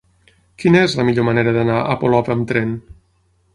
Quina és la millor manera d'anar a Polop amb tren?